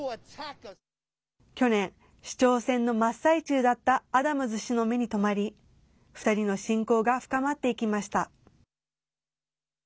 去年、市長選の真っ最中だったアダムズ氏の目に留まり２人の親交が深まっていきました。